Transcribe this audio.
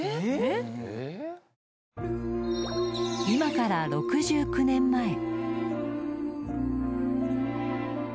［今から６９年前］